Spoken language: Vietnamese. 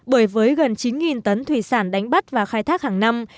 bởi với gần chín tấn thủy sản đánh bắt và khai thác hàng năm